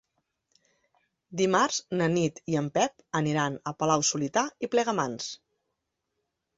Dimarts na Nit i en Pep aniran a Palau-solità i Plegamans.